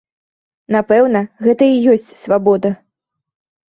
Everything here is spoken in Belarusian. Напэўна, гэта і ёсць свабода.